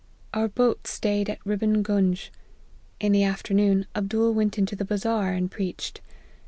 Our boat staid at Rib bon Gunge. In the afternoon, Abdool went into the bazar, and preached.